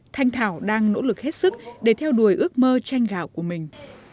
thanh thảo đang nỗ lực hết sức để theo đuổi ước mơ tranh gạo của mình